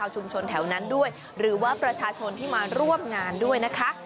ชุมชนแถวนั้นด้วยหรือว่าประชาชนที่มาร่วมงานด้วยนะคะ